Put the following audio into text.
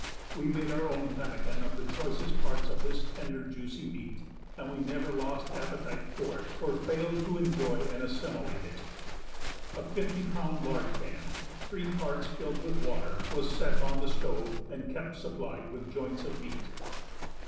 We made our own pemmican of the choice parts of this tender, juicy meat and we never lost appetite for it or failed to enjoy and assimilate it. A fifty pound lard can, three parts filled with water, was set on the stove and kept supplied with joints of meat.